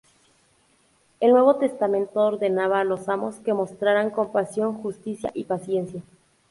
El Nuevo Testamento ordenaba a los amos que mostraran compasión, justicia y paciencia.